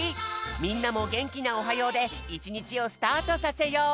みんなもげんきな「おはよう」でいちにちをスタートさせよう！